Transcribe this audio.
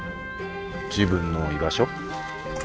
自分の居場所。